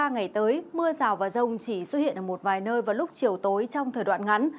ba ngày tới mưa rào và rông chỉ xuất hiện ở một vài nơi vào lúc chiều tối trong thời đoạn ngắn